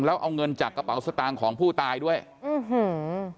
แล้วเอาเงินจากกระเป๋าสตางค์ของผู้ตายด้วยอื้อหือ